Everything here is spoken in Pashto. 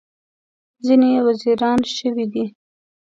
ځینې یې وزیران شوي دي.